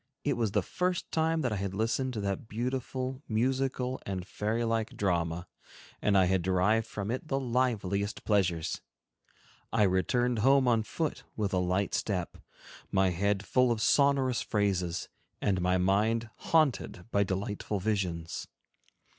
It was the first time that I had listened to that beautiful, musical, and fairy like drama, and I had derived from it the liveliest pleasures. I returned home on foot with a light step, my head full of sonorous phrases, and my mind haunted by delightful visions.